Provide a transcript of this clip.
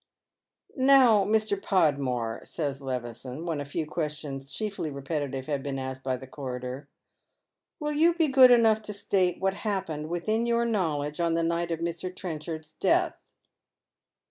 "Now, Mr. Podmore," says Levison, when a few questions, chiefly repetitive, have been asked by the coroner, " will you be good enough to state what happened within your knowledge on the night of Mr. Trenchard's death